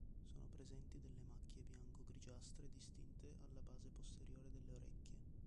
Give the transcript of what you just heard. Sono presenti delle macchie bianco-grigiastre distinte alla base posteriore delle orecchie.